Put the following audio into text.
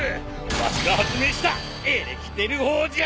わしが発明したエレキテル砲じゃ！